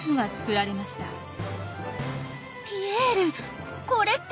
ピエールこれって。